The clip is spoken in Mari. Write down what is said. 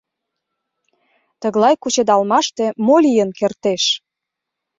Тыглай кучедалмаште мо лийын кертеш?